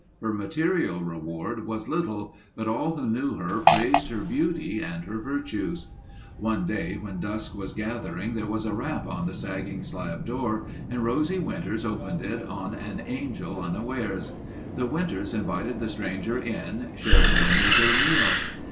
Her material reward was little but all who knew her praised her beauty and her virtues. One day when dusk was gathering there was a rap on the sagging slab door and Rosie Winters opened it on an angel unawares. The Winters invited the stranger in, shared their meager meal.